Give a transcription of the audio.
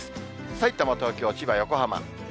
さいたま、東京、千葉、横浜。